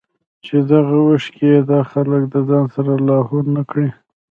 چې دغه اوښکې ئې دا خلک د ځان سره لاهو نۀ کړي